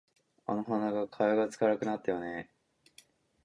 あの鼻長、貝殻使わなくなったよね